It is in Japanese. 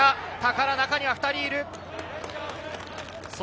中に２人いる。